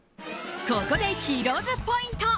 ここでヒロ’ｓポイント。